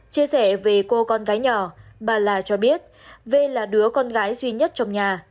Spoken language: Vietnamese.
chia sẻ về cô con gái nhỏ bà la cho biết v là đứa con gái duy nhất trong nhà